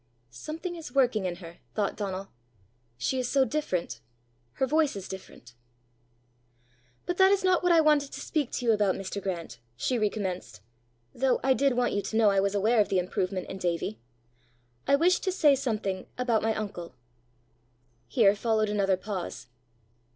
"Something is working in her!" thought Donal. "She is so different! Her voice is different!" "But that is not what I wanted to speak to you about, Mr. Grant," she re commenced, " though I did want you to know I was aware of the improvement in Davie. I wished to say something about my uncle." Here followed another pause.